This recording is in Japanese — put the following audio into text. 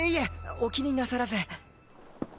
お気になさらず。